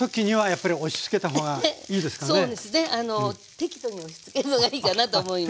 適度に押しつけるのがいいかなと思います。